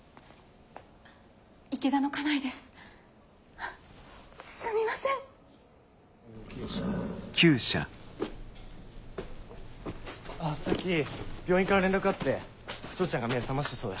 あっさっき病院から連絡あって嬢ちゃんが目覚ましたそうや。